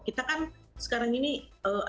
kita kan sekarang ini ada sirkuit